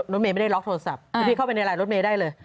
รถเมย์ไม่ได้ล็อกโทรศัพท์รถพี่เข้าไปในอะไรรถเมย์ได้เลย